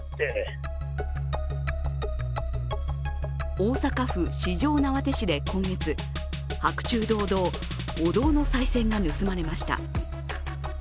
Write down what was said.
大阪府四條畷市で今月、白昼堂々、お堂のさい銭が盗まれました。